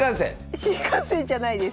新幹線じゃないです。